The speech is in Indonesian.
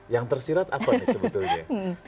yang tersirat apa nih sebetulnya